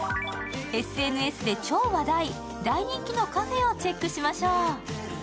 ＳＮＳで超話題、大人気のカフェをチェックしましょう。